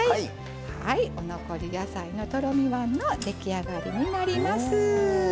お残り野菜のとろみ椀の出来上がりになります。